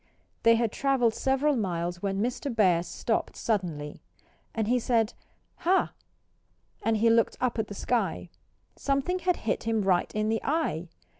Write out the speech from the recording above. They had travelled several miles when Mr. Bear stopped suddenly. And he said, "Hah!" And he looked up at the sky. Something had hit him right in the eye.